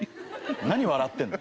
何笑ってんの？